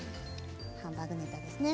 ハンバーグネタですね。